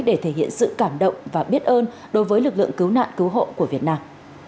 để thể hiện sự cảm động và biết ơn đối với lực lượng cứu nạn cứu hộ của việt nam